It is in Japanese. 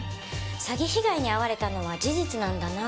詐欺被害に遭われたのは事実なんだなあって。